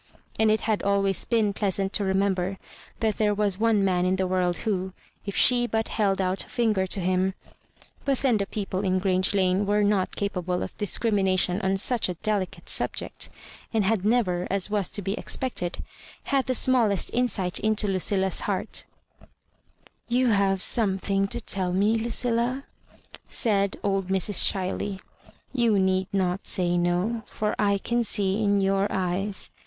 And it had always been pleasant to remember that there was one man in the world who, if she but held out a finger to him But then the people in Grange Lane were not capable of discrimination on such a delicate subject, and had never, as was to be expected, had the smallest insight into LudUa's heart " You have something to tell me, Ludlla ?" fiaid old Mrs. Ohiley. " You need not say no, for I can see in your eyes.